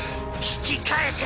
引き返せ！